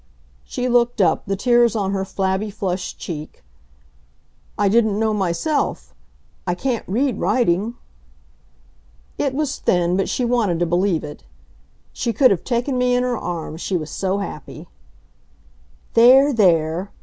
She looked up, the tears on her flabby, flushed cheek. "I didn't know myself. I can't read writing " It was thin, but she wanted to believe it. She could have taken me in her arms, she was so happy. "There! there!"